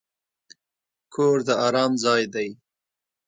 کور د ارام ځای دی.